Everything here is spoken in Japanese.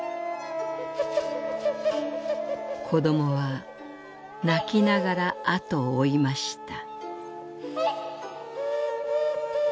「子どもは泣きながら後を追いました」。